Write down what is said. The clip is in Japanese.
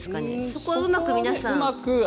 そこはうまく皆さん。